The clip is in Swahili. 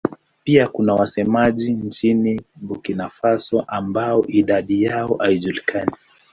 Pia kuna wasemaji nchini Burkina Faso ambao idadi yao haijulikani.